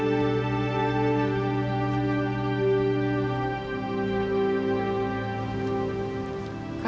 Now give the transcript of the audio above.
tapi lahir rearo dia